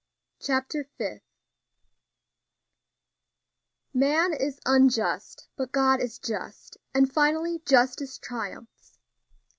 CHAPTER FIFTH "Man is unjust, but God is just; and finally justice Triumphs."